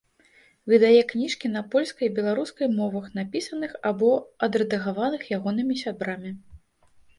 Выдае кніжкі на польскай і беларускай мовах, напісаных або адрэдагаваных ягонымі сябрамі.